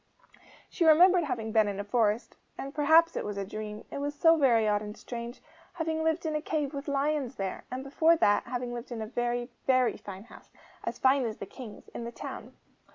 She remembered having been in a forest and perhaps it was a dream it was so very odd and strange having lived in a cave with lions there; and, before that, having lived in a very, very fine house, as fine as the King's, in the town.